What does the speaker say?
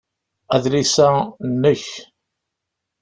Adlis-a nnek